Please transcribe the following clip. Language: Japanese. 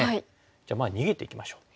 じゃあまあ逃げていきましょう。